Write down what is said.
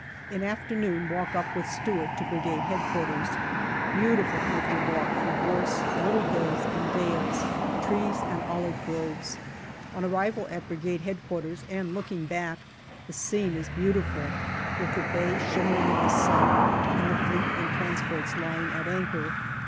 In afternoon walk up with Stewart to Brigade H.Q. Beautiful country walk through gorse, little hills and dales, trees and olive groves. On arrival at Brigade H.Q. and looking back, the scene is beautiful, with the bay shimmering in the sun and the Fleet and transports lying at anchor.